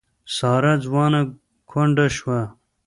ساره ځوانه کونډه شوه.